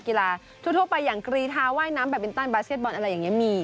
กีฬาทั่วไปอย่างกรีทาว่ายน้ำแบบมินตันบาเซียนบอลอะไรอย่างนี้มี